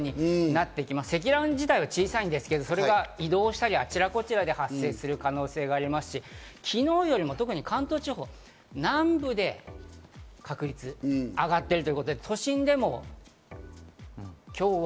積乱雲自体は小さいですがそれが移動したり、あちらこちらで発生する可能性がありますし、昨日よりも特に関東地方南部で確率が上がっている。